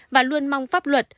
và luôn mong pháp luật